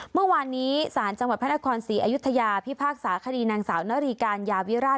เมื่อวานนี้ศาลจังหวัดพระนครศรีอยุธยาพิพากษาคดีนางสาวนรีการยาวิราช